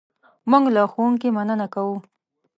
موږ له ښوونکي مننه کوو.